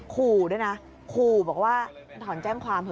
ขู่ด้วยนะขู่บอกว่าถอนแจ้งความเถ